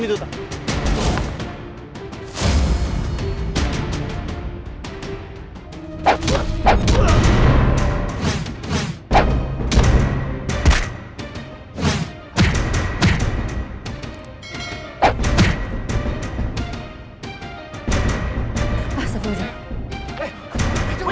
itu punya mereka